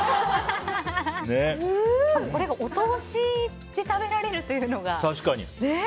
これがお通しで食べられるというのが。